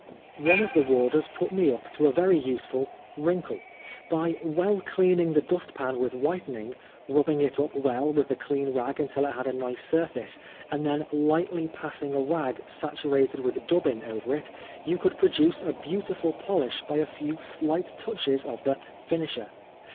One of the warders put me up to a very useful "wrinkle." By well cleaning the dust pan with whitening, rubbing it up well with the clean rag until it had a nice surface, and then lightly passing a rag saturated with dubbin over it, you could produce a beautiful polish by a few slight touches of the "finisher."